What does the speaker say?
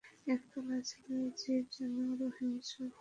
একতলায় ছিল জীব-জানোয়ার ও হিংস্র পশ্বাদি।